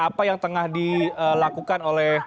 apa yang tengah dilakukan